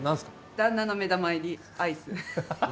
旦那の目玉入りアイス。